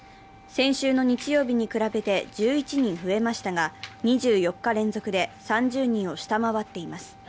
先週の日曜日に比べて１１人増えましたが、２４日連続で３０人を下回っています。